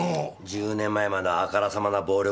十年前まではあからさまな暴力団。